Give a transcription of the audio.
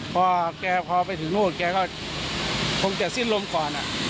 พอแกพอไปถึงนู่นแกก็คงจะสิ้นลมก่อน